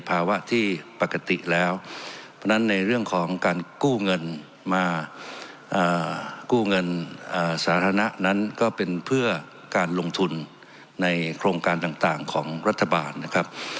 ภาวะที่ปกติแล้วเพราะฉะนั้นในเรื่องของการกู้เงินมากู้เงินสาธารณะนั้นก็เป็นเพื่อการลงทุนในโครงการต่างของรัฐบาลนะครับ